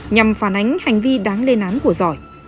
nhằm phản ánh hành vi đáng lên án của giỏi